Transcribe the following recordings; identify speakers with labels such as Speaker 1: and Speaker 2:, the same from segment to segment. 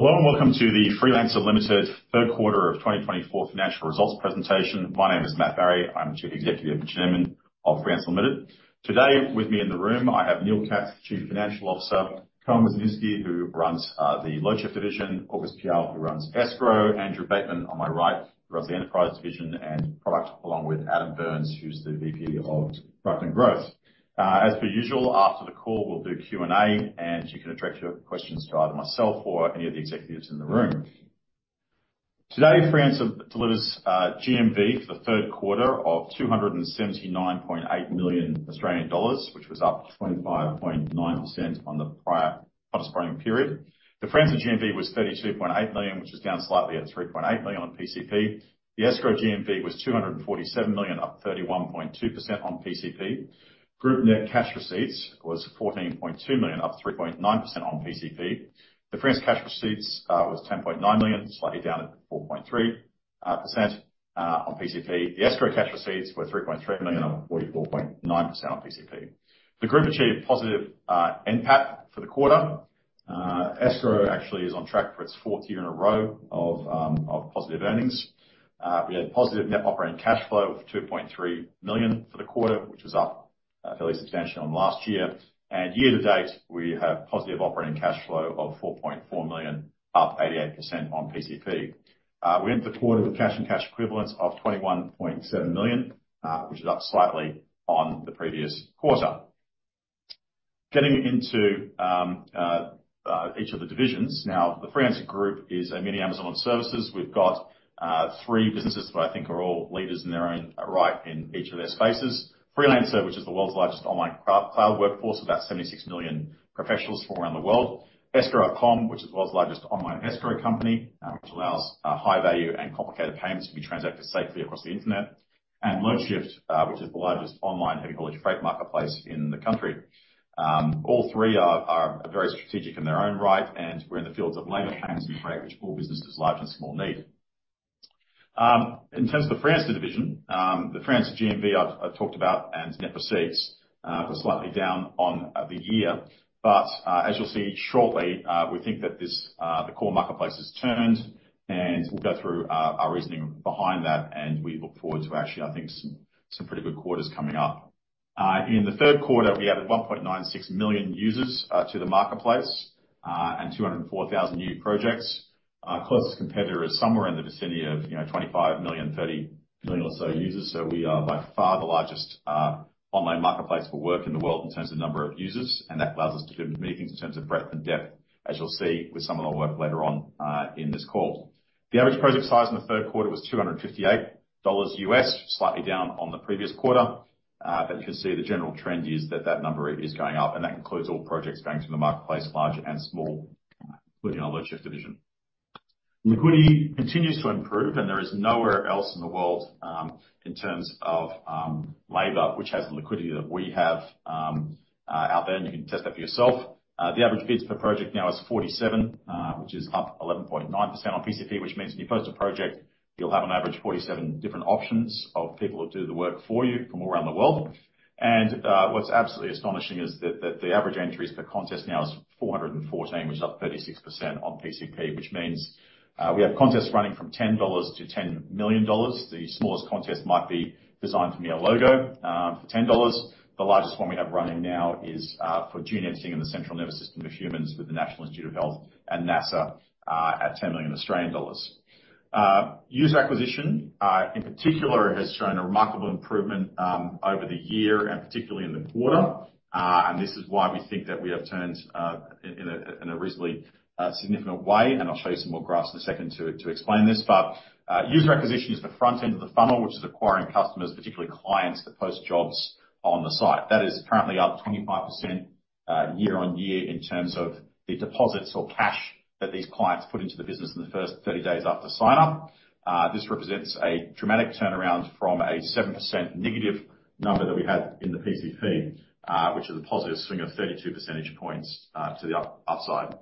Speaker 1: Hello, and welcome to the Freelancer Limited Third Quarter of 2024 Financial Results Presentation. My name is Matt Barrie, I'm the Chief Executive and Chairman of Freelancer Limited. Today, with me in the room, I have Neil Katz, Chief Financial Officer, Colin Woznitsky, who runs the Loadshift division, August Piehl, who runs Escrow, Andrew Bateman, on my right, who runs the Enterprise division and Product, along with Adam Byrnes, who's the Vice President of Product and Growth. As per usual, after the call, we'll do Q&A, and you can address your questions to either myself or any of the executives in the room. Today, Freelancer delivered us GMV for the third quarter of 279.8 million Australian dollars, which was up 25.9% on the prior corresponding period. The Freelancer GMV was 32.8 million, which is down slightly at 3.8 million on PCP. The Escrow GMV was 247 million, up 31.2% on PCP. Group net cash receipts was 14.2 million, up 3.9% on PCP. The Freelancer cash receipts was 10.9 million, slightly down at 4.3% on PCP. The Escrow cash receipts were 3.3 million, up 44.9% on PCP. The group achieved positive NPAT for the quarter. Escrow actually is on track for its fourth year in a row of positive earnings. We had positive net operating cash flow of 2.3 million for the quarter, which was up fairly substantial on last year. Year to date, we have positive operating cash flow of 4.4 million, up 88% on PCP. We ended the quarter with cash and cash equivalents of 21.7 million, which is up slightly on the previous quarter. Getting into each of the divisions. Now, the Freelancer group is a mini Amazon on services. We've got three businesses that I think are all leaders in their own right in each of their spaces. Freelancer, which is the world's largest online cloud workforce, about 76 million professionals from around the world. Escrow.com, which is the world's largest online escrow company, which allows high-value and complicated payments to be transacted safely across the internet. And Loadshift, which is the largest online heavy-haulage freight marketplace in the country. All three are very strategic in their own right, and we're in the fields of labor, payments, and freight, which all businesses, large and small, need. In terms of the Freelancer division, the Freelancer GMV, I've talked about, and net proceeds were slightly down on the year. But as you'll see shortly, we think that this, the core marketplace has turned, and we'll go through our reasoning behind that, and we look forward to actually, I think, some pretty good quarters coming up. In the third quarter, we added 1.96 million users to the marketplace and 204,000 new projects. Our closest competitor is somewhere in the vicinity of, you know, 25 million, 30 million or so users. So we are by far the largest online marketplace for work in the world in terms of number of users, and that allows us to do many things in terms of breadth and depth, as you'll see with some of our work later on in this call. The average project size in the third quarter was $258, slightly down on the previous quarter. But you can see the general trend is that that number is going up, and that includes all projects going through the marketplace, large and small, working on Loadshift division. Liquidity continues to improve, and there is nowhere else in the world in terms of labor, which has the liquidity that we have out there, and you can test that for yourself. The average bids per project now is 47, which is up 11.9% on PCP, which means when you post a project, you'll have on average 47 different options of people who'll do the work for you from all around the world. What's absolutely astonishing is that the average entries per contest now is 414, which is up 36% on PCP, which means we have contests running from 10 dollars to 10 million dollars. The smallest contest might be design for me a logo for 10 dollars. The largest one we have running now is for gene editing in the central nervous system of humans with the National Institutes of Health and NASA at 10 million Australian dollars. User acquisition, in particular, has shown a remarkable improvement over the year, and particularly in the quarter. And this is why we think that we have turned in a reasonably significant way, and I'll show you some more graphs in a second to explain this. But user acquisition is the front end of the funnel, which is acquiring customers, particularly clients, that post jobs on the site. That is currently up 25% year on year, in terms of the deposits or cash that these clients put into the business in the first 30 days after sign-up. This represents a dramatic turnaround from a 7% negative number that we had in the PCP, which is a positive swing of 32 percentage points to the upside.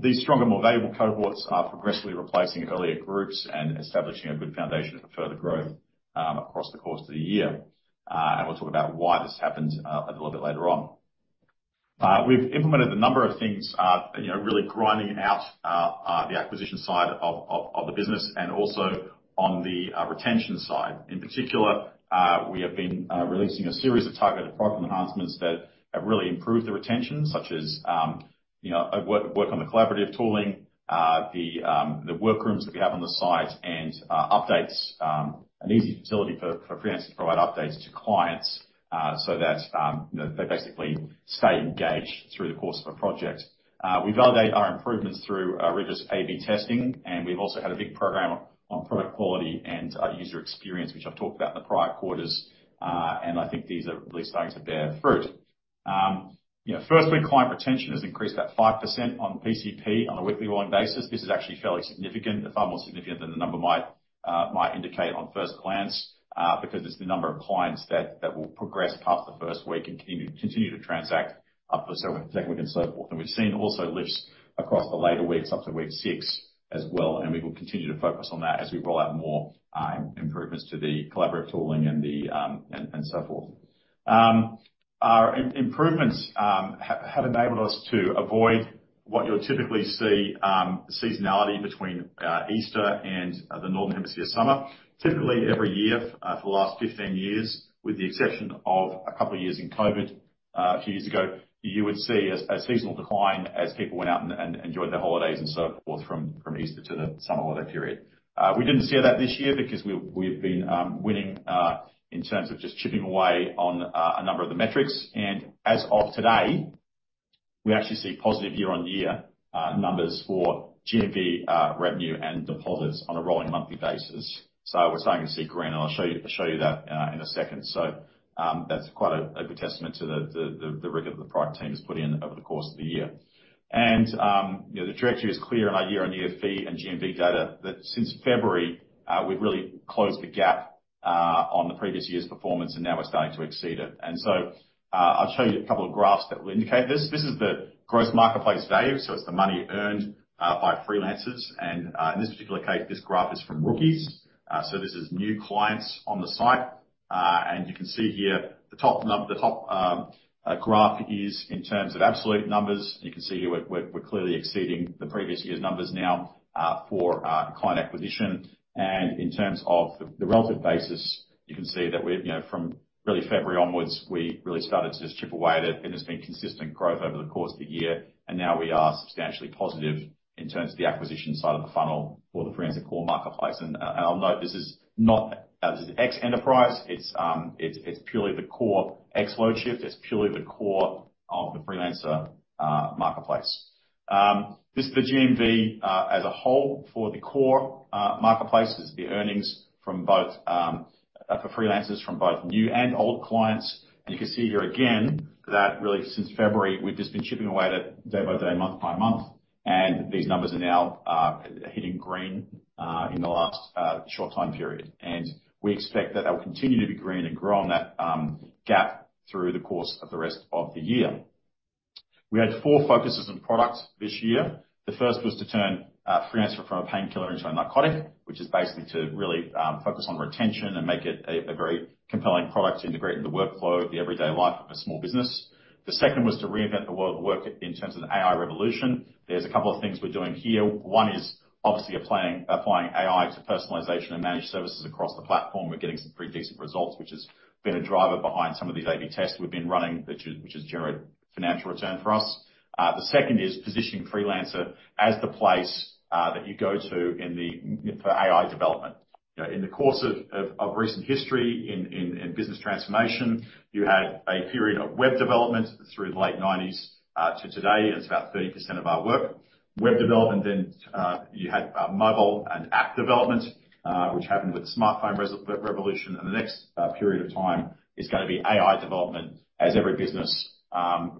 Speaker 1: These stronger, more valuable cohorts are progressively replacing earlier groups and establishing a good foundation for further growth across the course of the year, and we'll talk about why this happens a little bit later on. We've implemented a number of things, you know, really grinding out the acquisition side of the business, and also on the retention side. In particular, we have been releasing a series of targeted product enhancements that have really improved the retention, such as you know work on the collaborative tooling, the workrooms that we have on the site, and updates, an easy facility for freelancers to provide updates to clients, so that you know, they basically stay engaged through the course of a project. We validate our improvements through rigorous A/B testing, and we've also had a big program on product quality and user experience, which I've talked about in the prior quarters, and I think these are really starting to bear fruit. You know, first-week client retention has increased by 5% on PCP on a weekly rolling basis. This is actually fairly significant, far more significant than the number might indicate on first glance, because it's the number of clients that will progress past the first week and continue to transact after the second week and so forth. We've seen also lifts across the later weeks, up to week six as well, and we will continue to focus on that as we roll out more improvements to the collaborative tooling and so forth. Our improvements have enabled us to avoid what you'll typically see, seasonality between Easter and the Northern Hemisphere summer. Typically, every year, for the last fifteen years, with the exception of a couple of years in COVID, a few years ago, you would see a seasonal decline as people went out and enjoyed their holidays and so forth from Easter to the summer holiday period. We didn't see that this year because we've been winning in terms of just chipping away on a number of the metrics. And as of today, we actually see positive year-on-year numbers for GMV, revenue, and deposits on a rolling monthly basis. So we're starting to see green, and I'll show you that in a second. That's quite a good testament to the rigor the product team has put in over the course of the year. You know, the trajectory is clear in our year-on-year fee and GMV data, that since February, we've really closed the gap on the previous year's performance, and now we're starting to exceed it. I'll show you a couple of graphs that will indicate this. This is the gross marketplace value, so it's the money earned by freelancers. In this particular case, this graph is from rookies. This is new clients on the site. You can see here the top graph is in terms of absolute numbers. You can see here we're clearly exceeding the previous year's numbers now, for client acquisition. In terms of the relative basis, you can see that we're, you know, from really February onwards, we really started to just chip away at it, and there's been consistent growth over the course of the year, and now we are substantially positive in terms of the acquisition side of the funnel for the Freelancer core marketplace. And I'll note, this is not, this is ex-Enterprise. It's purely the core ex-Loadshift. It's purely the core of the Freelancer marketplace. This is the GMV as a whole for the core marketplace. This is the earnings from both for freelancers from both new and old clients. And you can see here again, that really since February, we've just been chipping away at it day by day, month by month, and these numbers are now hitting green in the last short time period. And we expect that they'll continue to be green and grow on that gap through the course of the rest of the year. We had four focuses on product this year. The first was to turn Freelancer from a painkiller into a narcotic, which is basically to really focus on retention and make it a very compelling product integrated in the workflow of the everyday life of a small business. The second was to reinvent the world of work in terms of the AI revolution. There's a couple of things we're doing here, one is obviously applying AI to personalization and managed services across the platform. We're getting some pretty decent results, which has been a driver behind some of these A/B tests we've been running, which has generated financial return for us. The second is positioning Freelancer as the place that you go to for AI development. You know, in the course of recent history in business transformation, you had a period of web development through the late 1990s to today, it's about 30% of our work. Web development, then you had mobile and app development, which happened with the smartphone revolution, and the next period of time is gonna be AI development, as every business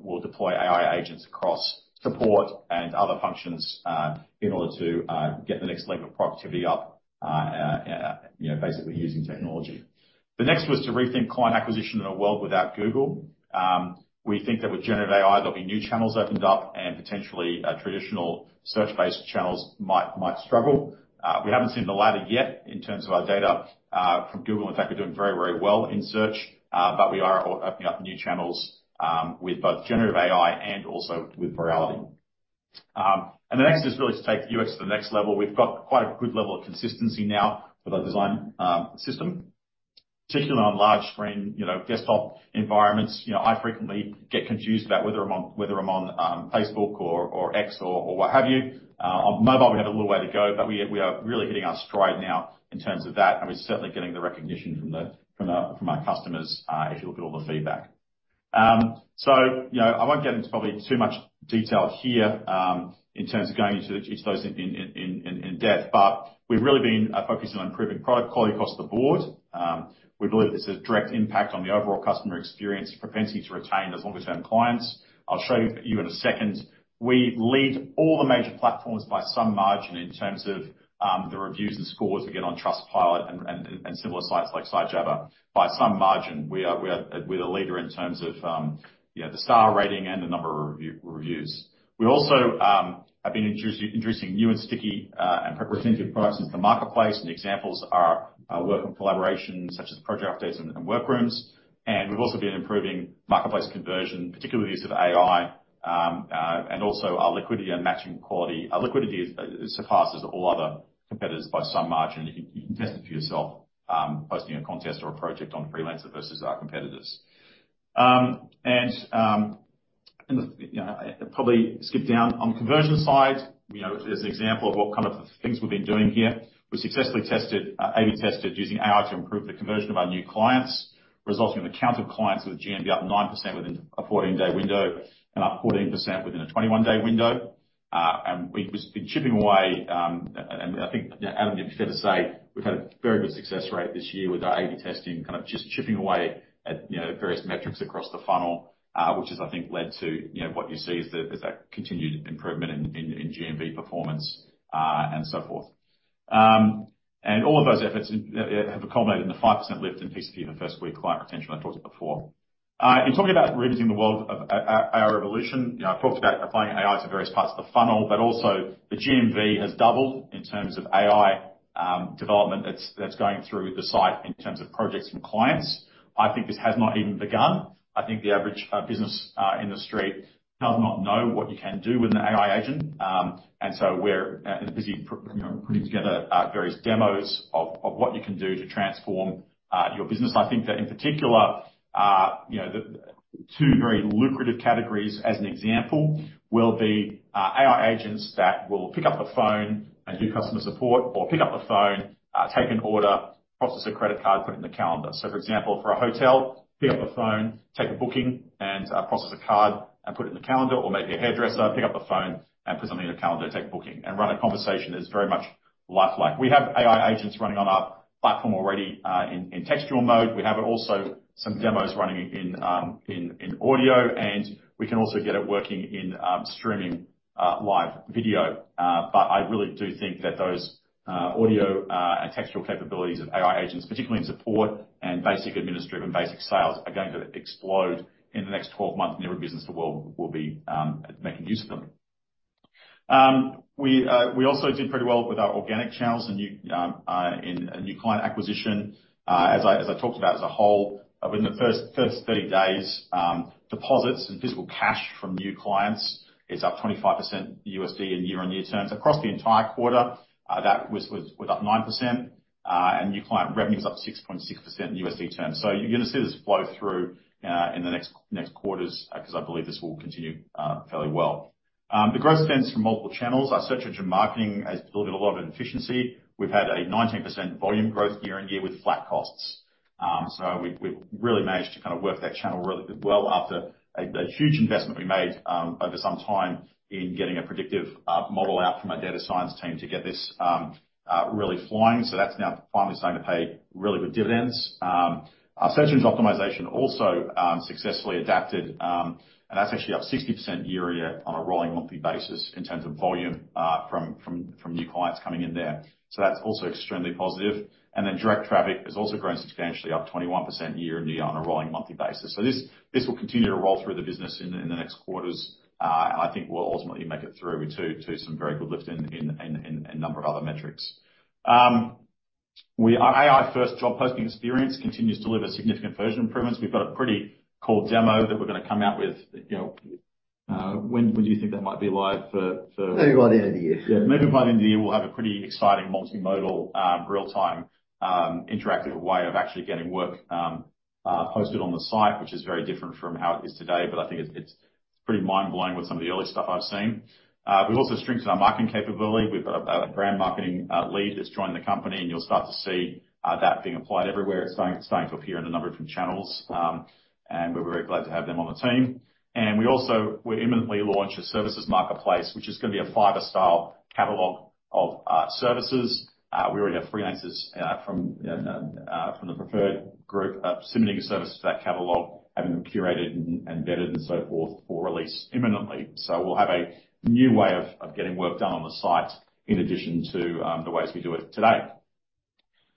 Speaker 1: will deploy AI agents across support and other functions in order to get the next level of productivity up, you know, basically using technology. The next was to rethink client acquisition in a world without Google. We think that with generative AI, there'll be new channels opened up, and potentially, traditional search-based channels might struggle. We haven't seen the latter yet in terms of our data from Google. In fact, we're doing very, very well in search, but we are opening up new channels with both generative AI and also with virality, and the next is really to take the UX to the next level. We've got quite a good level of consistency now with our design system, particularly on large screen, you know, desktop environments. You know, I frequently get confused about whether I'm on Facebook or X or what have you. On mobile, we have a little way to go, but we are really hitting our stride now in terms of that, and we're certainly getting the recognition from our customers if you look at all the feedback. So, you know, I won't get into probably too much detail here in terms of going into each of those in depth, but we've really been focusing on improving product quality across the board. We believe this has direct impact on the overall customer experience, propensity to retain those longer-term clients. I'll show you in a second. We lead all the major platforms by some margin, in terms of the reviews and scores we get on Trustpilot and similar sites like Sitejabber. By some margin, we are, we're the leader in terms of, you know, the star rating and the number of reviews. We also have been introducing new and sticky and representative products into the marketplace, and examples are work and collaboration, such as project updates and workrooms. And we've also been improving marketplace conversion, particularly the use of AI, and also our liquidity and matching quality. Our liquidity surpasses all other competitors by some margin. You can test it for yourself, posting a contest or a project on Freelancer versus our competitors. You know, probably skip down. On the conversion side, you know, here's an example of what kind of things we've been doing here. We successfully tested, A/B tested, using AI to improve the conversion of our new clients, resulting in the count of clients with GMV up 9% within a fourteen-day window and up 14% within a twenty-one-day window. And we've been chipping away, and I think, Adam, it'd be fair to say, we've had a very good success rate this year with our A/B testing, kind of just chipping away at, you know, the various metrics across the funnel, which has, I think, led to, you know, what you see is the, is that continued improvement in, in GMV performance, and so forth. And all of those efforts have culminated in the 5% lift in PCP for first week client retention, I talked about before. In talking about reinventing the world of AI revolution, you know, I've talked about applying AI to various parts of the funnel, but also the GMV has doubled in terms of AI development that's going through the site in terms of projects and clients. I think this has not even begun. I think the average business in the street does not know what you can do with an AI agent. And so we're busy, you know, putting together various demos of what you can do to transform your business. I think that in particular, you know, the two very lucrative categories, as an example, will be AI agents that will pick up the phone and do customer support, or pick up the phone, take an order, process a credit card, put it in the calendar. So for example, for a hotel, pick up the phone, take a booking, and process a card, and put it in the calendar. Or maybe a hairdresser, pick up the phone and put something in the calendar, take a booking, and run a conversation that's very much lifelike. We have AI agents running on our platform already, in textual mode. We have also some demos running in audio, and we can also get it working in streaming live video. but I really do think that those audio and textual capabilities of AI agents, particularly in support and basic administrative and basic sales, are going to explode in the next 12 months, and every business in the world will be making use of them. We also did pretty well with our organic channels and new in a new client acquisition. As I talked about as a whole, within the first 30 days, deposits and physical cash from new clients is up 25% USD in year-on-year terms. Across the entire quarter, that was up 9%, and new client revenue is up 6.6% in USD terms. So you're gonna see this flow through in the next quarters because I believe this will continue fairly well. The growth stems from multiple channels. Our search engine marketing has delivered a lot of efficiency. We've had a 19% volume growth year-on-year with flat costs. So we've really managed to kind of work that channel really well after a huge investment we made over some time in getting a predictive model out from our data science team to get this really flying. So that's now finally starting to pay really good dividends. Our search engine optimization also successfully adapted and that's actually up 60% year-on-year on a rolling monthly basis in terms of volume from new clients coming in there. So that's also extremely positive. And then direct traffic has also grown substantially, up 21% year-on-year on a rolling monthly basis. So this will continue to roll through the business in the next quarters, and I think we'll ultimately make it through to some very good lift in a number of other metrics. Our AI-first job posting experience continues to deliver significant version improvements. We've got a pretty cool demo that we're gonna come out with, you know, when would you think that might be live for, for-
Speaker 2: Maybe by the end of the year.
Speaker 1: Yeah, maybe by the end of the year, we'll have a pretty exciting multimodal, real-time, interactive way of actually getting work posted on the site, which is very different from how it is today, but I think it's pretty mind-blowing with some of the early stuff I've seen. We've also strengthened our marketing capability. We've got a brand marketing lead that's joined the company, and you'll start to see that being applied everywhere. It's starting to appear in a number of different channels, and we're very glad to have them on the team, and we also will imminently launch a services marketplace, which is gonna be a Fiverr-style catalog of services. We already have freelancers from the preferred group submitting their services to that catalog, having them curated, and vetted, and so forth, for release imminently. So we'll have a new way of getting work done on the site in addition to the ways we do it today.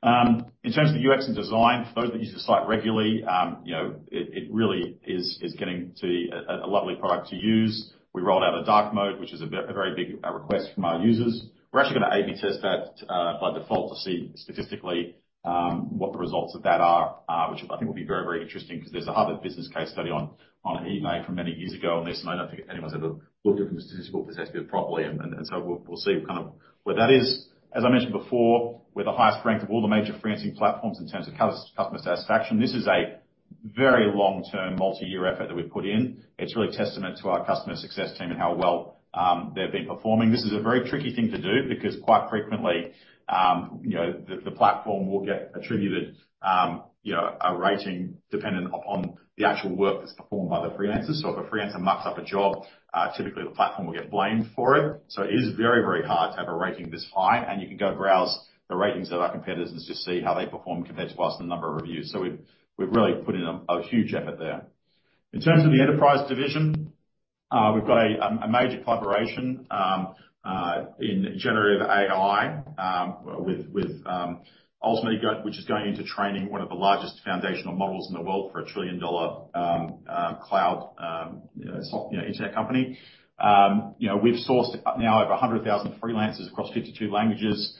Speaker 1: In terms of the UX and design, for those that use the site regularly, you know, it really is getting to be a lovely product to use. We rolled out a dark mode, which is a very big request from our users. We're actually gonna A/B test that by default to see statistically what the results of that are, which I think will be very, very interesting, because there's a Harvard business case study on eBay from many years ago on this, and I don't think anyone's ever looked at the statistical possessed view properly, and so we'll see kind of where that is. As I mentioned before, we're the highest ranked of all the major freelancing platforms in terms of customer satisfaction. This is a very long-term, multi-year effort that we've put in. It's really a testament to our customer success team and how well they've been performing. This is a very tricky thing to do, because quite frequently you know the platform will get attributed you know a rating dependent upon the actual work that's performed by the freelancers. So if a freelancer mucks up a job, typically the platform will get blamed for it. It is very, very hard to have a rating this high, and you can go browse the ratings of our competitors and just see how they perform compared to us in the number of reviews. We've really put in a huge effort there. In terms of the enterprise division, we've got a major collaboration in generative AI with ultimately Google which is going into training one of the largest foundational models in the world for a trillion-dollar cloud you know software you know internet company. You know, we've sourced now over 100,000 freelancers across 52 languages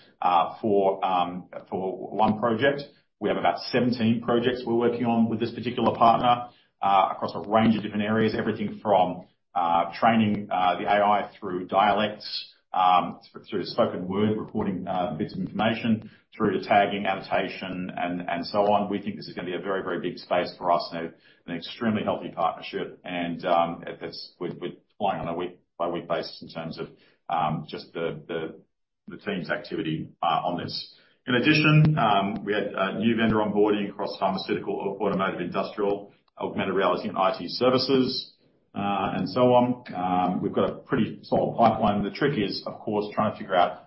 Speaker 1: for one project. We have about 17 projects we're working on with this particular partner across a range of different areas. Everything from training the AI through dialects through spoken word, recording bits of information, through to tagging, annotation, and so on. We think this is gonna be a very, very big space for us, and an extremely healthy partnership. We're deploying on a week-by-week basis in terms of just the team's activity on this. In addition, we had a new vendor onboarding across pharmaceutical, automotive, industrial, augmented reality, and IT services, and so on. We've got a pretty solid pipeline. The trick is, of course, trying to figure out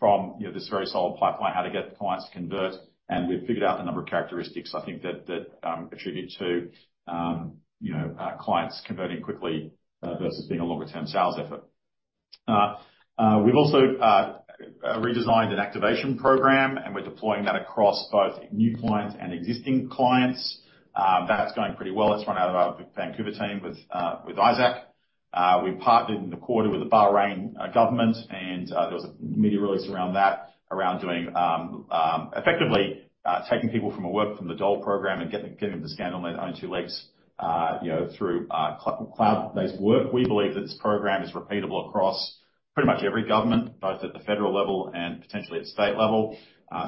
Speaker 1: from you know this very solid pipeline how to get the clients to convert, and we've figured out a number of characteristics I think that attribute to you know clients converting quickly versus being a longer-term sales effort. We've also redesigned an activation program deploying that across both new clients and existing clients. That's going pretty well. That's run out of our Vancouver team with Isaac. We partnered in the quarter with the Bahrain government, and there was a media release around that, around doing effectively taking people from a workforce from the DOL program and getting them to stand on their own two legs you know through cloud-based work. We believe that this program is repeatable across pretty much every government, both at the federal level and potentially at state level.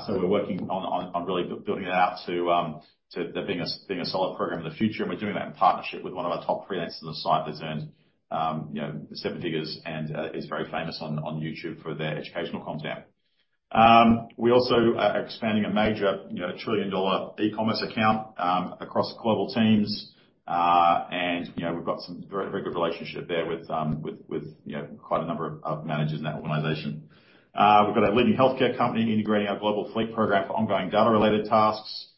Speaker 1: So we're working on really building it out to there being a solid program in the future. And we're doing that in partnership with one of our top freelancers on the site, that's earned, you know, seven figures, and is very famous on YouTube for their educational content. We also are expanding a major, you know, trillion-dollar e-commerce account across global teams. And, you know, we've got some very, very good relationship there with with you know quite a number of managers in that organization. We've got a leading healthcare company integrating our Global Fleet Program for ongoing data-related tasks.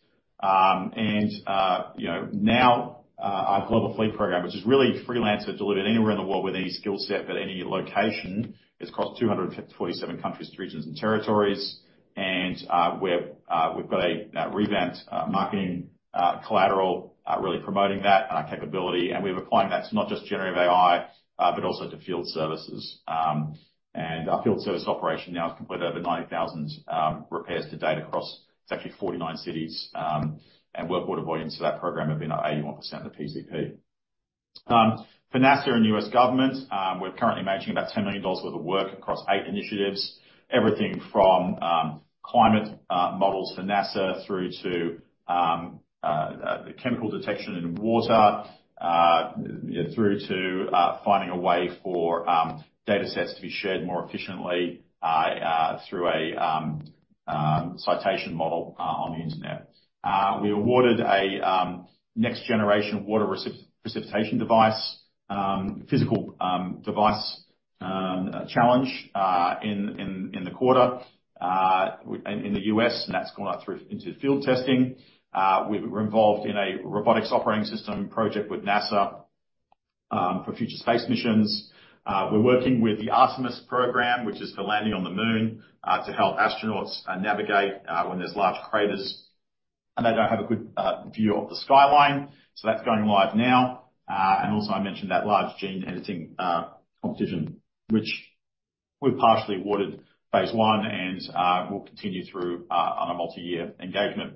Speaker 1: You know, now our Global Fleet Program, which is really Freelancer delivered anywhere in the world with any skill set at any location, is across 247 countries, regions, and territories. We've got a revamped marketing collateral really promoting that capability. We have a client that's not just generative AI but also to field services. Our field service operation now has completed over 90,000 repairs to date across 49 cities. It's actually 49 cities. Work order volume to that program have been at 81% of the PCP. For NASA and U.S. government, we're currently managing about $10 million worth of work across eight initiatives. Everything from climate models for NASA, through to chemical detection in water, through to finding a way for data sets to be shared more efficiently through a citation model on the internet. We awarded a next generation water precipitation device physical device challenge in the quarter in the US, and that's gone out through into the field testing. We're involved in a robotics operating system project with NASA for future space missions. We're working with the Artemis program, which is for landing on the moon to help astronauts navigate when there's large craters, and they don't have a good view of the skyline. So that's going live now. And also, I mentioned that large gene editing competition, which we're partially awarded phase one, and we'll continue through on a multi-year engagement.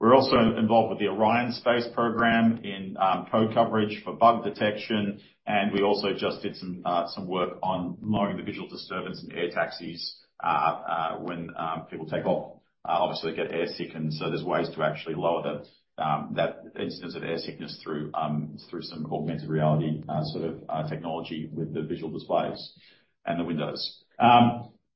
Speaker 1: We're also involved with the Orion space program in code coverage for bug detection, and we also just did some work on lowering the visual disturbance in air taxis when people take off. Obviously, they get air sick, and so there's ways to actually lower that instance of air sickness through some augmented reality sort of technology with the visual displays and the windows.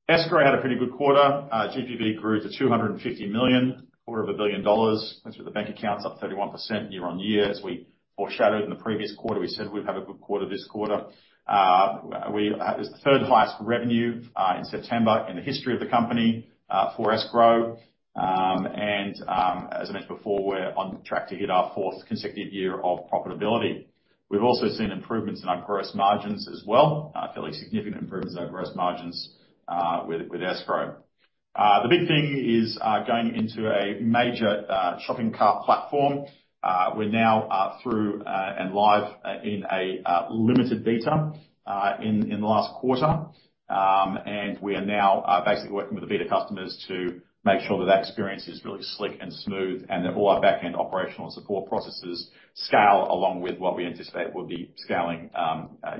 Speaker 1: Escrow had a pretty good quarter. GPV grew to $250 million, a quarter of a billion dollars. Went through the bank accounts, up 31% year on year. As we foreshadowed in the previous quarter, we said we'd have a good quarter this quarter. It's the third highest revenue in September in the history of the company for Escrow, and as I mentioned before, we're on track to hit our fourth consecutive year of profitability. We've also seen improvements in our gross margins as well, fairly significant improvements in our gross margins with Escrow. The big thing is going into a major shopping cart platform. We're now through and live in a limited beta in the last quarter. And we are now basically working with the beta customers to make sure that that experience is really slick and smooth, and that all our back-end operational support processes scale, along with what we anticipate will be scaling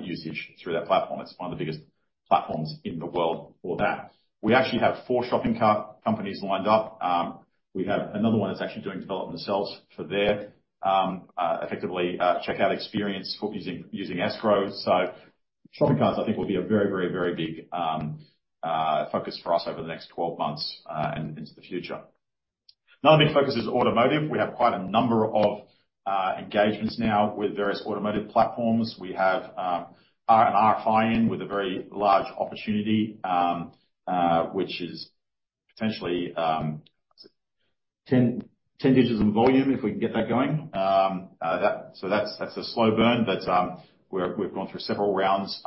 Speaker 1: usage through that platform. It's one of the biggest platforms in the world for that. We actually have four shopping cart companies lined up. We have another one that's actually doing development themselves for their effectively checkout experience for using Escrow. So shopping carts, I think, will be a very, very, very big focus for us over the next twelve months and into the future. Another big focus is automotive. We have quite a number of engagements now with various automotive platforms. We are flying with a very large opportunity, which is potentially ten digits in volume if we can get that going. So that's a slow burn, but we've gone through several rounds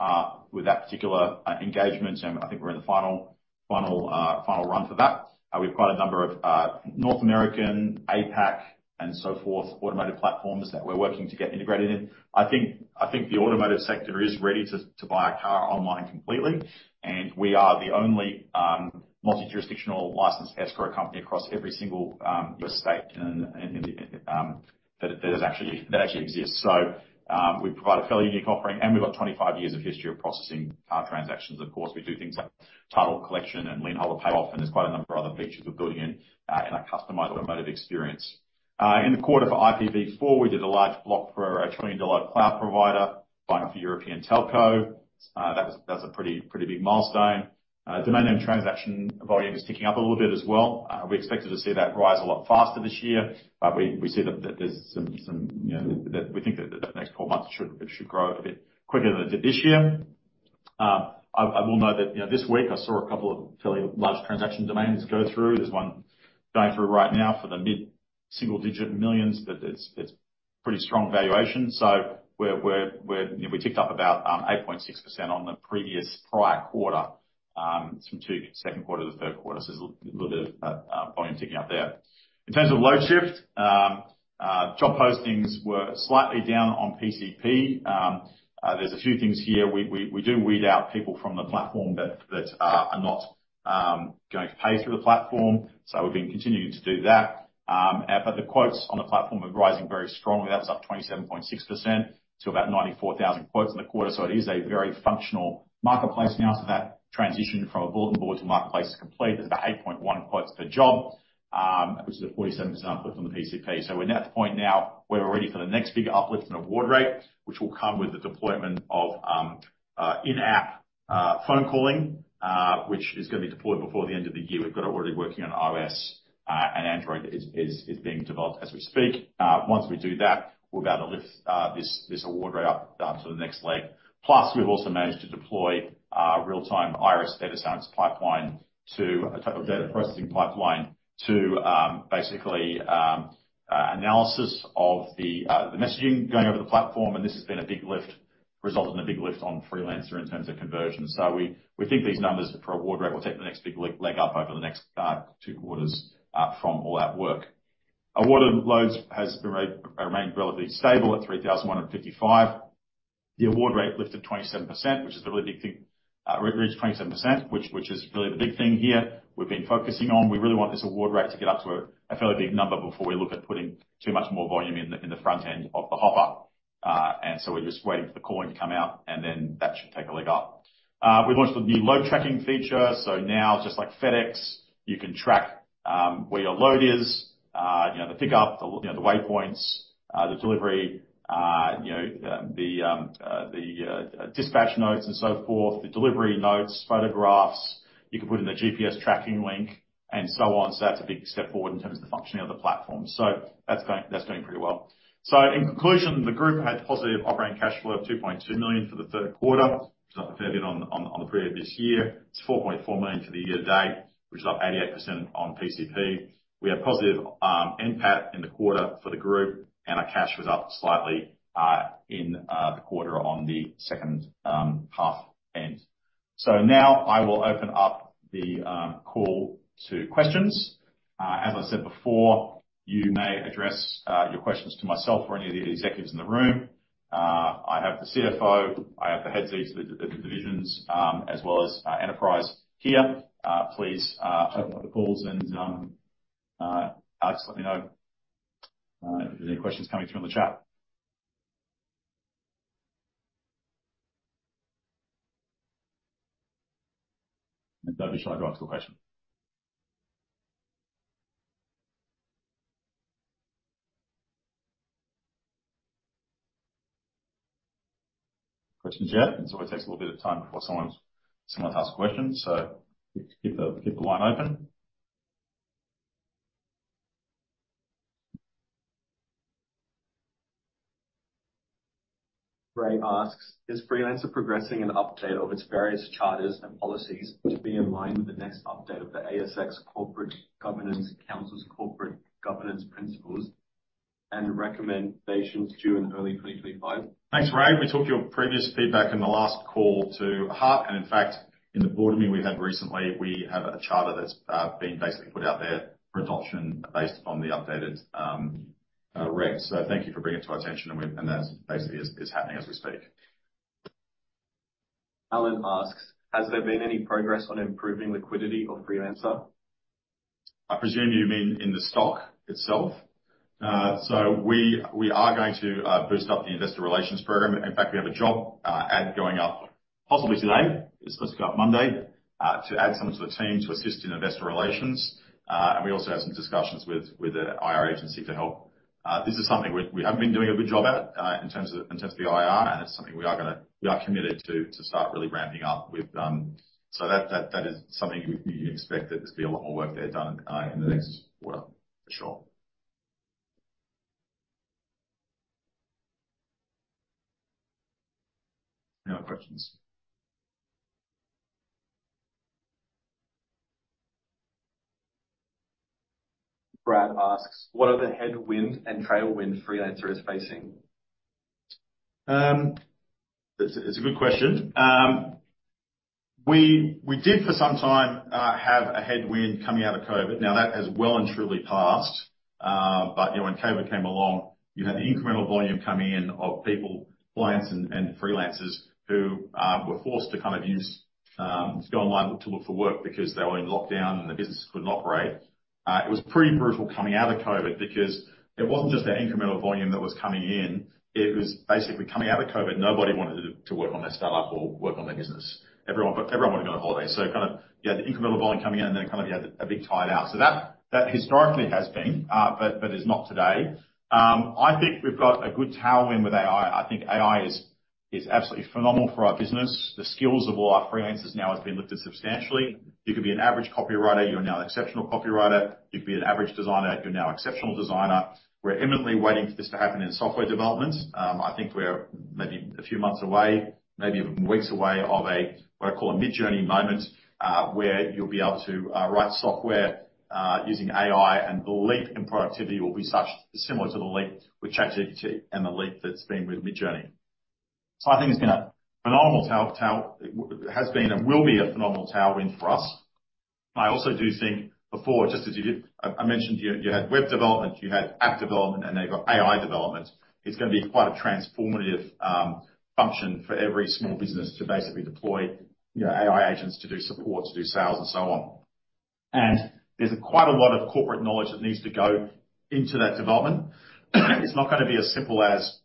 Speaker 1: with that particular engagement, and I think we're in the final run for that. We've quite a number of North American, APAC, and so forth, automotive platforms that we're working to get integrated in. I think the automotive sector is ready to buy a car online completely, and we are the only multi-jurisdictional licensed escrow company across every single U.S. state and that actually exists. So we provide a fairly unique offering, and we've got twenty-five years of history of processing transactions. Of course, we do things like title collection and lienholder payoff, and there's quite a number of other features we're building in, in our customized automotive experience. In the quarter for IPv4, we did a large block for a trillion-dollar cloud provider buying off a European telco. That was a pretty big milestone. Domain name transaction volume is ticking up a little bit as well. We expected to see that rise a lot faster this year, but we see that there's some, you know, that we think that the next four months should grow a bit quicker than it did this year. I will note that, you know, this week I saw a couple of fairly large transaction domains go through. There's one going through right now for the mid-single digit millions, but it's pretty strong valuation, so we're, you know, we ticked up about 8.6% on the previous prior quarter, from second quarter to the third quarter, so there's a little bit of volume ticking up there. In terms of Loadshift, job postings were slightly down on PCP. There's a few things here. We do weed out people from the platform that are not going to pay through the platform, so we've been continuing to do that, but the quotes on the platform are rising very strongly. That's up 27.6% to about 94,000 quotes in the quarter, so it is a very functional marketplace now. So that transition from a bulletin board to marketplace is complete. There's about eight point one quotes per job, which is a 47% uplift on the PCP. So we're at the point now where we're ready for the next big uplift in award rate, which will come with the deployment of in-app phone calling, which is gonna be deployed before the end of the year. We've got it already working on iOS, and Android is being developed as we speak. Once we do that, we're about to lift this award rate up to the next leg. Plus, we've also managed to deploy real-time IRIS data science pipeline, a type of data processing pipeline to basically analysis of the messaging going over the platform, and this has been a big lift, resulted in a big lift on Freelancer in terms of conversion. So we think these numbers for award rate will take the next big leg up over the next two quarters from all that work. Awarded loads has remained relatively stable at 3,155. The award rate lifted 27%, which is really the big thing. Reached 27%, which is really the big thing here we've been focusing on. We really want this award rate to get up to a fairly big number before we look at putting too much more volume in the front end of the hopper, and so we're just waiting for the calling to come out, and then that should take a leg up. We launched the new load tracking feature, so now, just like FedEx, you can track where your load is, you know, the pickup, the waypoints, the delivery, you know, the dispatch notes and so forth, the delivery notes, photographs. You can put in a GPS tracking link and so on. So that's a big step forward in terms of the functioning of the platform. So that's going pretty well. So in conclusion, the group had positive operating cash flow of 2.2 million for the third quarter. It's up a fair bit on the period this year. It's 4.4 million for the year to date, which is up 88% on PCP. We had positive NPAT in the quarter for the group, and our cash was up slightly in the quarter on the second half end. So now I will open up the call to questions. As I said before, you may address your questions to myself or any of the executives in the room. I have the Chief Financial Officer, I have the heads of each of the divisions, as well as enterprise here. Please open up the calls, and just let me know if there's any questions coming through on the chat. And don't be shy to ask a question. Questions yet? It always takes a little bit of time before someone asks a question, so keep the line open.
Speaker 3: Ray asks, "Is Freelancer progressing an update of its various charters and policies to be in line with the next update of the ASX Corporate Governance Council's Corporate Governance Principles and Recommendations due in early twenty twenty-five?
Speaker 1: Thanks, Ray. We took your previous feedback in the last call to heart, and in fact, in the board meeting we had recently, we have a charter that's being basically put out there for adoption based on the updated rec. So thank you for bringing it to our attention, and that's basically happening as we speak.
Speaker 3: Alan asks, "Has there been any progress on improving liquidity of Freelancer?
Speaker 1: I presume you mean in the stock itself? So we are going to boost up the investor relations program. In fact, we have a job ad going up possibly today, it's supposed to go up Monday, to add someone to the team to assist in investor relations. And we also have some discussions with an IR agency to help. This is something we haven't been doing a good job at in terms of the IR, and it's something we are committed to start really ramping up with. So that is something you expect there to be a lot more work there done in the next quarter, for sure. Any other questions?
Speaker 3: Brad asks, "What are the headwinds and tailwinds Freelancer is facing?
Speaker 1: That's a good question. We did for some time have a headwind coming out of COVID. Now, that has well and truly passed, but you know, when COVID came along, you had the incremental volume coming in of people, clients and freelancers, who were forced to kind of use to go online to look for work because they were in lockdown, and the businesses couldn't operate. It was pretty brutal coming out of COVID, because it wasn't just the incremental volume that was coming in, it was basically coming out of COVID, nobody wanted to work on their startup or work on their business. Everyone wanted to go on holiday. Kind of, you had the incremental volume coming in, and then kind of you had a big tide out. So that historically has been, but is not today. I think we've got a good tailwind with AI. I think AI is absolutely phenomenal for our business. The skills of all our freelancers now has been lifted substantially. You could be an average copywriter, you're now an exceptional copywriter. You could be an average designer, you're now an exceptional designer. We're imminently waiting for this to happen in software development. I think we're maybe a few months away, maybe even weeks away, of what I call a Midjourney moment, where you'll be able to write software using AI, and the leap in productivity will be such, similar to the leap with ChatGPT and the leap that's been with Midjourney. So I think it's been a phenomenal tailwind. It has been and will be a phenomenal tailwind for us. I also do think, just as you did, I mentioned, you had web development, you had app development, and now you've got AI development. It's gonna be quite a transformative function for every small business to basically deploy, you know, AI agents to do support, to do sales, and so on. And there's quite a lot of corporate knowledge that needs to go into that development. It's not gonna be as simple as,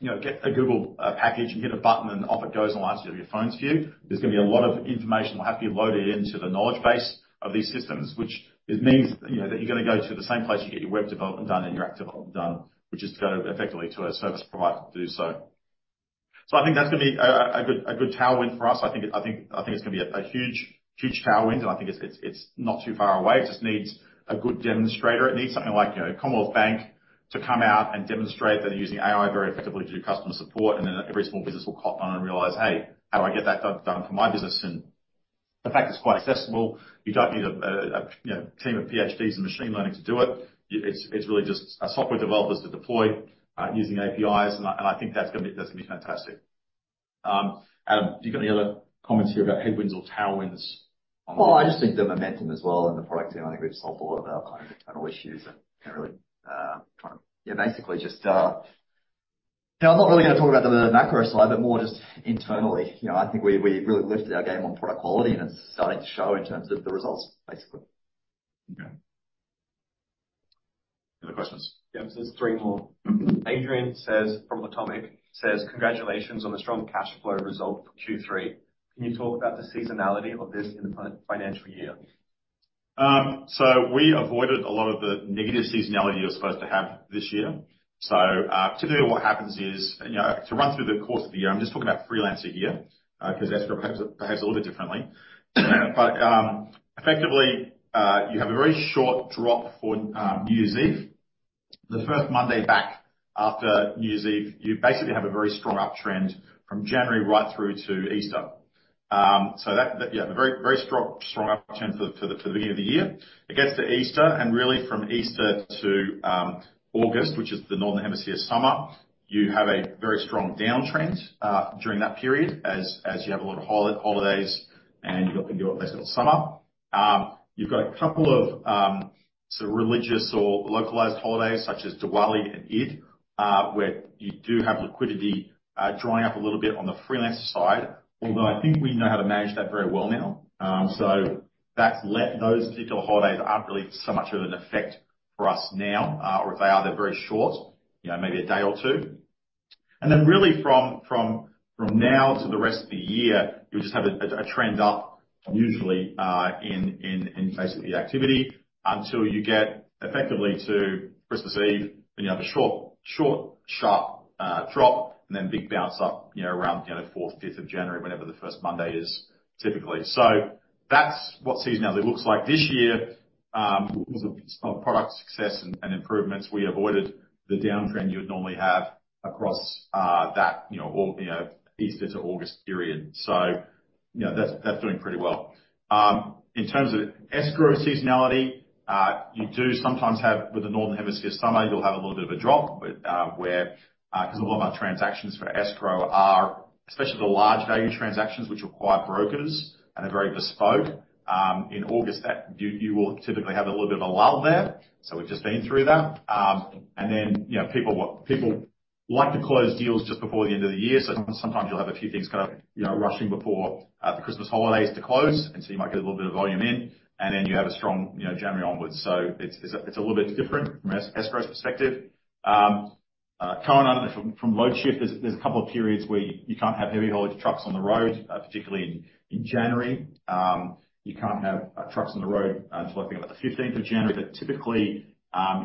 Speaker 1: you know, get a Google package, and hit a button, and off it goes, and launches your phones for you. There's gonna be a lot of information will have to be loaded into the knowledge base of these systems, which it means, you know, that you're gonna go to the same place you get your web development done and your app development done, which is to go effectively to a service provider to do so. So I think that's gonna be a good tailwind for us. I think it's gonna be a huge tailwind, and I think it's not too far away. It just needs a good demonstrator. It needs something like, you know, Commonwealth Bank to come out and demonstrate that they're using AI very effectively to do customer support, and then every small business will cop on and realize, "Hey, how do I get that done, done for my business?" And the fact it's quite accessible, you don't need a you know, team of PhDs in machine learning to do it. It's, it's really just software developers to deploy using APIs, and I, and I think that's gonna be, that's gonna be fantastic. Adam, have you got any other comments here about headwinds or tailwinds on? I just think the momentum as well, and the product. You know, I think we've solved a lot of our kind of internal issues and can really, you know,
Speaker 2: I'm not really going to talk about the macro side, but more just internally. You know, I think we really lifted our game on product quality, and it's starting to show in terms of the results, basically.
Speaker 1: Okay. Any other questions?
Speaker 3: Yeah, just three more. Adrian says, from Atomic, says: "Congratulations on the strong cash flow result for Q3. Can you talk about the seasonality of this in the financial year?
Speaker 1: So we avoided a lot of the negative seasonality you're supposed to have this year. So, typically, what happens is, you know, to run through the course of the year, I'm just talking about Freelancer here, because escrow perhaps a little bit differently. But, effectively, you have a very short drop for New Year's Eve. The first Monday back after New Year's Eve, you basically have a very strong uptrend from January right through to Easter. Yeah, a very strong uptrend for the beginning of the year. It gets to Easter, and really from Easter to August, which is the Northern Hemisphere summer, you have a very strong downtrend during that period, as you have a lot of holidays, and you've got people on their summer. You've got a couple of sort of religious or localized holidays, such as Diwali and Eid, where you do have liquidity drying up a little bit on the freelancer side, although I think we know how to manage that very well now. So that's those particular holidays aren't really so much of an effect for us now, or if they are, they're very short, you know, maybe a day or two, and then really from now to the rest of the year, you'll just have a trend up, usually, in basically activity, until you get effectively to Christmas Eve, then you have a short, sharp drop, and then big bounce up, you know, around, you know, fourth, fifth of January, whenever the first Monday is, typically, so that's what seasonality looks like. This year, because of some product success and improvements, we avoided the downtrend you would normally have across that, you know, Easter to August period. So, you know, that's doing pretty well. In terms of escrow seasonality, you do sometimes have with the Northern Hemisphere summer, you'll have a little bit of a drop, with because a lot of our transactions for escrow are, especially the large value transactions, which require brokers and are very bespoke, in August, that you will typically have a little bit of a lull there. So we've just been through that. And then, you know, people like to close deals just before the end of the year, so sometimes you'll have a few things kind of, you know, rushing before the Christmas holidays to close, and so you might get a little bit of volume in, and then you have a strong, you know, January onwards. So it's a little bit different from escrow's perspective. Currently from Loadshift, there's a couple of periods where you can't have heavy haulage trucks on the road, particularly in January. You can't have trucks on the road until, I think, about the fifteenth of January. But typically,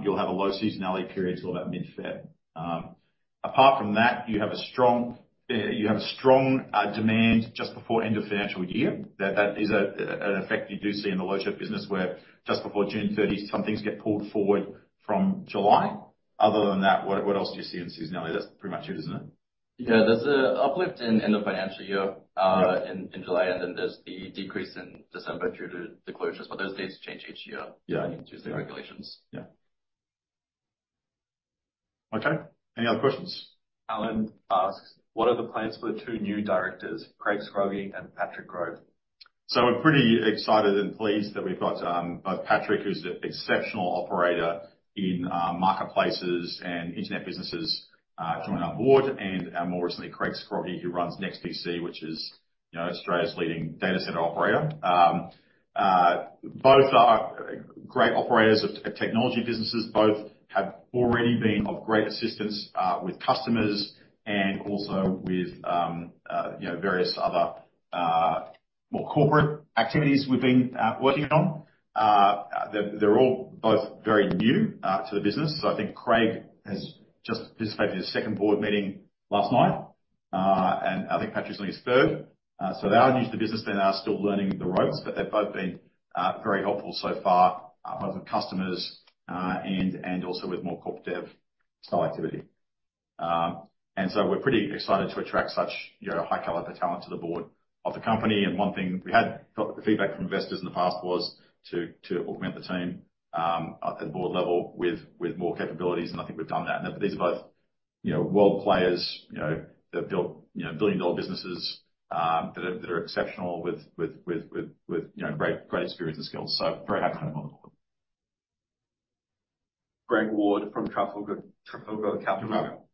Speaker 1: you'll have a low seasonality period till about mid-February. Apart from that, you have a strong demand just before end of financial year. That is an effect you do see in the Loadshift business, where just before June thirtieth, some things get pulled forward from July. Other than that, what else do you see in seasonality? That's pretty much it, isn't it?
Speaker 2: Yeah, there's an uplift in end of financial year. in July, and then there's the decrease in December due to the closures, but those dates change each year.
Speaker 1: Yeah
Speaker 2: Due to the regulations.
Speaker 1: Yeah. Okay. Any other questions?
Speaker 3: Alan asks, "What are the plans for the two new directors, Craig Scroggie and Patrick Grove?
Speaker 1: We're pretty excited and pleased that we've got both Patrick, who's an exceptional operator in marketplaces and internet businesses, joining our board, and more recently, Craig Scroggie, who runs NEXTDC, which is, you know, Australia's leading data center operator. Both are great operators of technology businesses. Both have already been of great assistance with customers and also with you know, various other more corporate activities we've been working on. They're both very new to the business. I think Craig has just participated in his second board meeting last night. And I think Patrick's on his third. So they are new to the business, they are still learning the ropes, but they've both been very helpful so far, both with customers and also with more corp dev-style activity. And so we're pretty excited to attract such, you know, high-caliber talent to the board of the company. And one thing we had got the feedback from investors in the past was to augment the team at board level with more capabilities, and I think we've done that. And these are both you know, world players, you know, that build, you know, billion-dollar businesses, that are exceptional with you know, great experience and skills. So very happy to have him on board.
Speaker 3: Greg Ward from Trafalgar, Trafalgar Capital.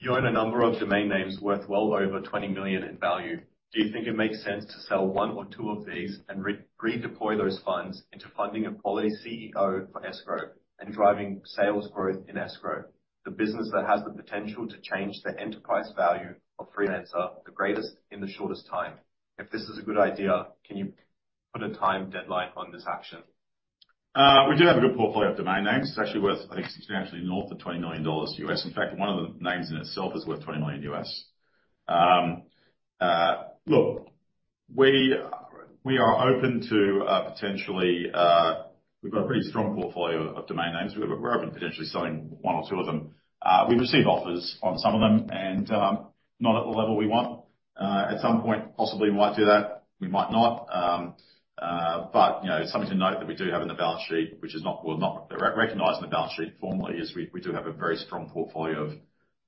Speaker 3: You own a number of domain names worth well over twenty million in value. Do you think it makes sense to sell one or two of these and redeploy those funds into funding a quality Chief Executive Officer for Escrow and driving sales growth in Escrow, the business that has the potential to change the enterprise value of Freelancer, the greatest in the shortest time? If this is a good idea, can you put a time deadline on this action?
Speaker 1: We do have a good portfolio of domain names. It's actually worth, I think, substantially north of $20 million. In fact, one of the names in itself is worth $20 million. Look, we are open to potentially. We've got a pretty strong portfolio of domain names. We're open to potentially selling one or two of them. We've received offers on some of them, and not at the level we want. At some point, possibly we might do that, we might not. But, you know, something to note that we do have in the balance sheet, which is not recognized in the balance sheet formally, is we do have a very strong portfolio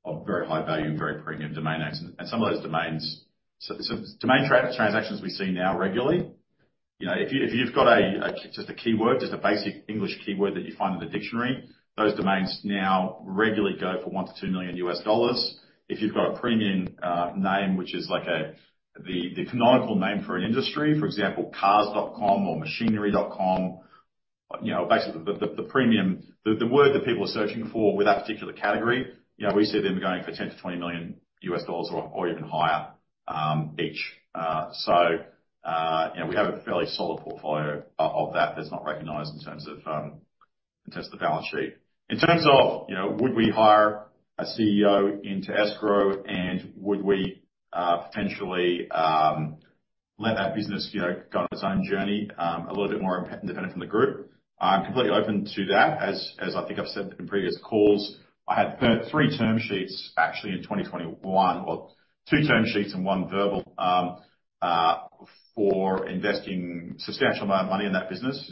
Speaker 1: of very high value and very premium domain names. And some of those domains, domain transactions we see now regularly. You know, if you've got just a keyword, just a basic English keyword that you find in the dictionary, those domains now regularly go for $1 million-$2 million. If you've got a premium name, which is like the canonical name for an industry, for example, cars.com or machinery.com, you know, basically the premium, the word that people are searching for with that particular category, you know, we see them going for $10 million-$20 million or even higher, each. You know, we have a fairly solid portfolio of that, that's not recognized in terms of the balance sheet. In terms of, you know, would we hire a CEO into Escrow, and would we potentially let that business, you know, go on its own journey, a little bit more independent from the group? I'm completely open to that. As I think I've said in previous calls, I had three term sheets actually in twenty twenty-one, or two term sheets and one verbal, for investing substantial amount of money in that business.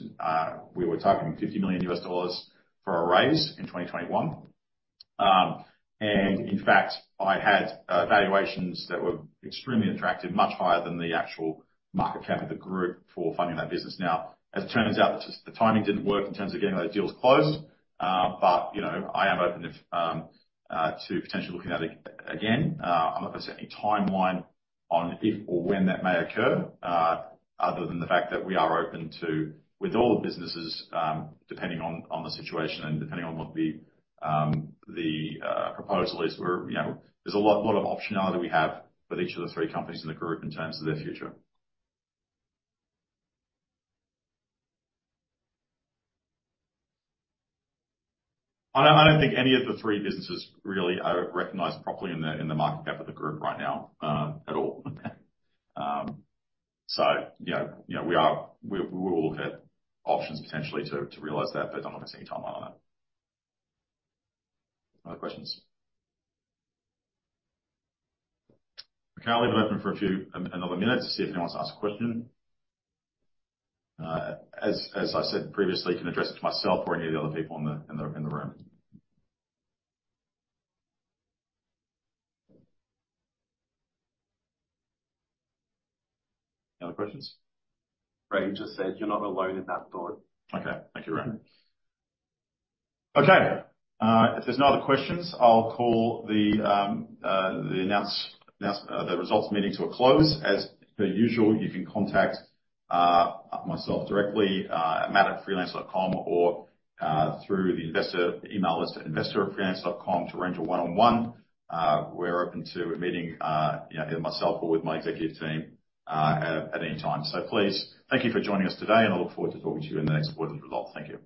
Speaker 1: We were talking $50 million for a raise in twenty twenty-one. And in fact, I had valuations that were extremely attractive, much higher than the actual market cap of the group for funding that business. Now, as it turns out, just the timing didn't work in terms of getting those deals closed. But you know, I am open to potentially looking at it again. I'm not going to set any timeline on if or when that may occur, other than the fact that we are open to... With all the businesses, depending on the situation and depending on what the proposal is, we're, you know, there's a lot of optionality we have with each of the three companies in the group in terms of their future. I don't think any of the three businesses really are recognized properly in the market cap of the group right now, at all. So you know, we will look at options potentially to realize that, but I'm not going to set any timeline on that. Other questions? Okay, I'll leave it open for a few, another minute to see if anyone wants to ask a question. As I said previously, you can address it to myself or any of the other people in the room. Any other questions?
Speaker 3: Ray just said, "You're not alone in that thought.
Speaker 1: Okay. Thank you, Ray. Okay, if there's no other questions, I'll call the results meeting to a close. As per usual, you can contact myself directly at matt@freelancer.com, or through the investor email list at investor@freelancer.com to arrange a one-on-one. We're open to a meeting, you know, either myself or with my executive team, at any time. So please, thank you for joining us today, and I look forward to talking to you in the next quarterly call. Thank you.